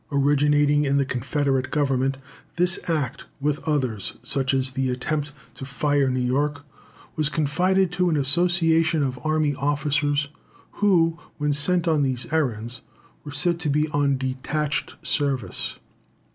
"Originating in the Confederate Government, this act, with others, such as the attempt to fire New York, ... was confided to an association of army officers, who, when sent on these errands, were said to be on 'detached service.